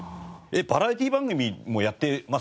えっバラエティー番組もやってます？